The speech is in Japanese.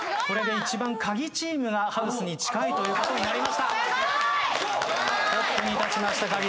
これで一番カギチームがハウスに近いということになりました。